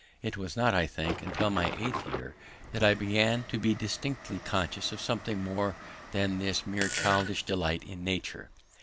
It was not, I think, till my eighth year that I began to be distinctly conscious of something more than this mere childish delight in nature.